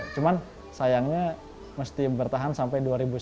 cuman sayangnya mesti bertahan sampai dua ribu sembilan belas